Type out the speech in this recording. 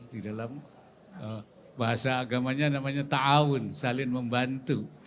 di dalam bahasa agamanya namanya ta awun salin membantu